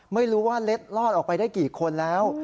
ไม่รู้ว่าเล็ดลอดออกไปได้กี่คนแล้ว